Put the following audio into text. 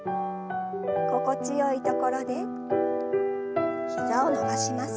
心地よいところで膝を伸ばします。